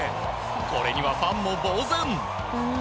これにはファンもぼうぜん。